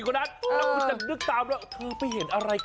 ขางมือแบบนี้รู้เลยตัวอะไร